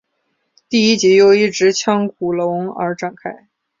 第一集由一只腔骨龙而展开。